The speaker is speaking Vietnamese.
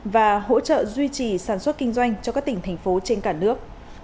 và hỗ trợ duy trì sản xuất kinh doanh cho các tỉnh thành phố trên cả nước